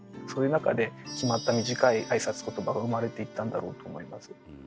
そういう中で決まった短い挨拶ことばが生まれていったんだろうと思います。